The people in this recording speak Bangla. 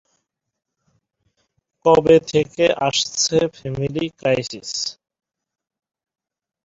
কবে থেকে আসছে ‘ফ্যামিলি ক্রাইসিস’